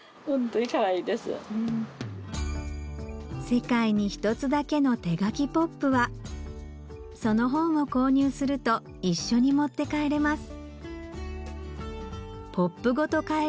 世界に一つだけの手描きＰＯＰはその本を購入すると一緒に持って帰れます